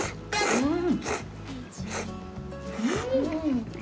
うん！